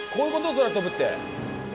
空飛ぶって。